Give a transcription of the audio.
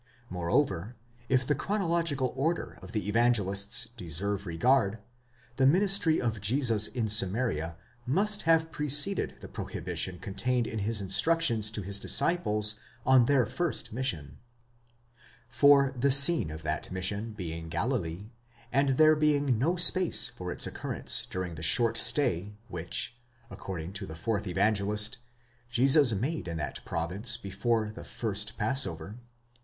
Moreover, if the chronological order of the Evangelists deserve regard, the ministry of Jesus in Samaria must have preceded the prohibition contained in his instructions to his disciples on their first mission. For the scene of that mission being Galilee, and there being no space for its occurrence during the short stay which, according to the fourth Evangelist, Jesus made in that province before the first Passover (ii.